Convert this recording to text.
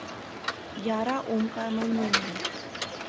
Яра ом кай мый мӧҥгӧ.